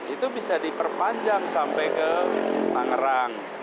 itu bisa diperpanjang sampai ke tangerang